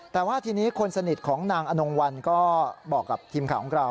แต่ว่าทีนี้คนสนิทของนางอนงวัลก็บอกกับทีมข่าวของเรา